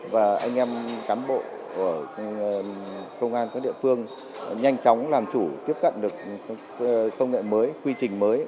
và anh em cán bộ của công an các địa phương nhanh chóng làm chủ tiếp cận được công nghệ mới quy trình mới